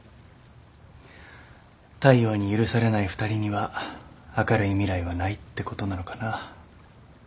太陽に許されない２人には明るい未来はないってことなのかな。